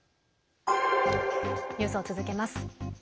ニュースを続けます。